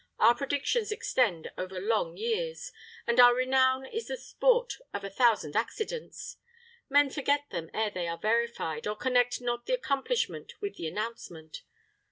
Our predictions extend over long years, and our renown is the sport of a thousand accidents. Men forget them ere they are verified, or connect not the accomplishment with the announcement.